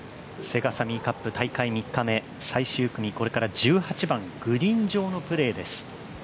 セガサミーカップ大会３日目最終組、これから１８番、グリーン上のプレーです。